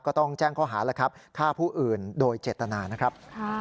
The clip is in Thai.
ก็ต้องแจ้งข้อหาแล้วครับฆ่าผู้อื่นโดยเจตนานะครับ